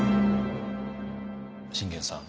信玄さん